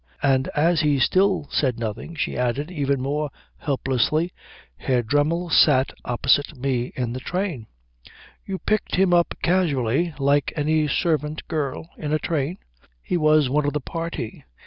And as he still said nothing she added, even more helplessly, "Herr Dremmel sat opposite me in the train." "You picked him up casually, like any servant girl, in a train?" "He was one of the party.